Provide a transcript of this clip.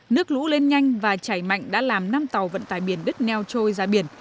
nước lũ lên nhanh và chảy mạnh đã làm năm tàu vận tải biển đứt neo trôi ra biển